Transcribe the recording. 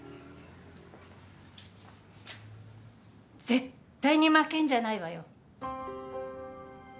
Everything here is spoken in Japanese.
絶対に負けんじゃないわよ。